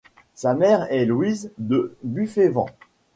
Sa mère est Louise de Buffévent.